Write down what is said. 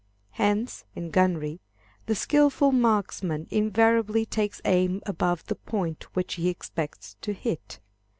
Hence, in gunnery, the skilful marksman invariably takes aim above the point which he expects to hit.